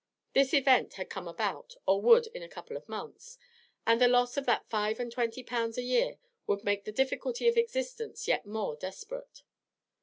This event had come about, or would in a couple of months, and the loss of that five and twenty pounds a year would make the difficulty of existence yet more desperate.